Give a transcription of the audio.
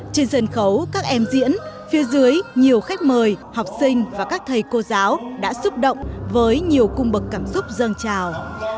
trên sân khấu các em diễn phía dưới nhiều khách mời học sinh và các thầy cô giáo đã xúc động với nhiều cung bậc cảm xúc dân trào